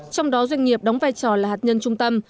trong đó doanh nghiệp đóng vai trò là hạt nhân trung tâm